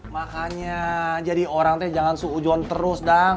makanya jadi orang jangan seujuan terus